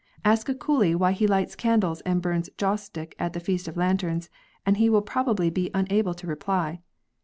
Ask a coolie why he lights candles and burns joss stick at the Feast of Lanterns, and he will probably be unable to reply.